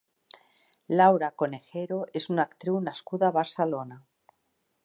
Laura Conejero és una actriu nascuda a Barcelona.